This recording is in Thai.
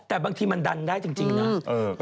แต่บางทีมันดันได้จริงนะ